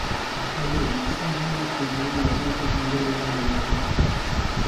بوتل د ماشومو شیدو لپاره ځانګړی ډول لري.